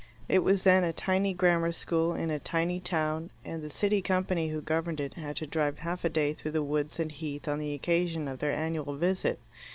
It was then a tiny grammar school in a tiny town, and the City Company who governed it had to drive half a day through the woods and heath on the occasion of their annual visit.